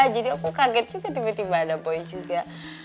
jadi aku kaget juga tiba tiba ada boy juga